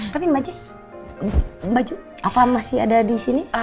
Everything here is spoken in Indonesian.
tapi mbak jis mbak apa masih ada di sini